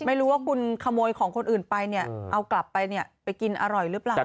ไม่รู้ว่าคุณขโมยของคนอื่นไปเนี่ยเอากลับไปเนี่ยไปกินอร่อยหรือเปล่า